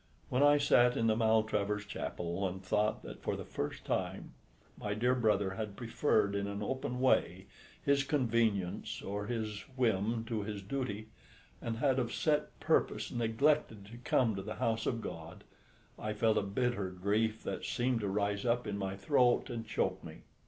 When I sat in the Maltravers chapel and thought that for the first time my dear brother had preferred in an open way his convenience or his whim to his duty, and had of set purpose neglected to come to the house of God, I felt a bitter grief that seemed to rise up in my throat and choke me.